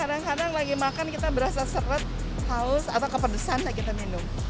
kadang kadang lagi makan kita berasa seret haus atau kepedesan saat kita minum